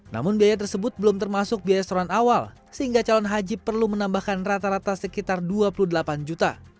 namun biaya tersebut belum termasuk biaya seran awal sehingga calon haji perlu menambahkan rata rata sekitar dua puluh delapan juta